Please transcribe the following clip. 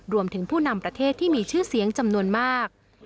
ผู้นำประเทศที่มีชื่อเสียงจำนวนมาก